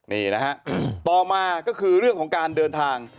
นี่นะฮะต่อมาก็คือเรื่องของการเดินทาง